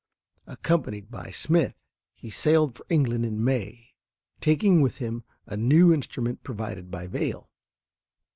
Accompanied by Smith, he sailed for England in May, taking with him a new instrument provided by Vail.